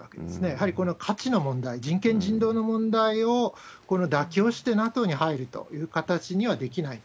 やはりこの価値の問題、人権、人道の問題を妥協してＮＡＴＯに入るという形にはできない。